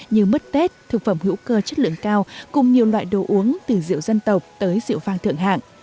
như mứt tết thực phẩm hữu cơ chất lượng cao cùng nhiều loại đồ uống từ rượu dân tộc tới rượu vang thượng hạng